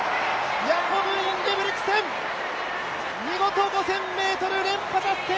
ヤコブ・インゲブリクセン、見事５０００ｍ連覇達成！